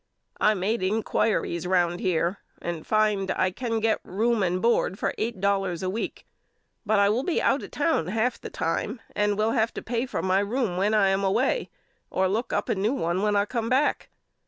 I made inquiries round here and find I can get board and room for eight dollars a week but I will be out of town half the time and will have to pay for my room when I am away or look up a new one when I come back.